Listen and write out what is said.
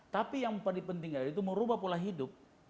tapi yang paling penting adalah itu merubah pola hidup